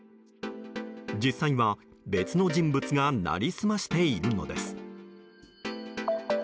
実際は、別の人物が成り済ましているのです。